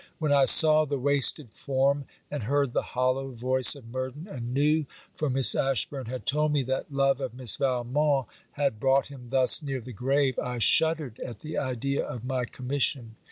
When I saw the wasted form and heard the hollow voice of Murden, and knew, for Miss Ashburn had told me, that love of Miss Valmont had brought him thus near the grave, I shuddered at the idea of my commission.